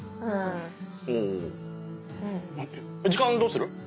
時間どうする？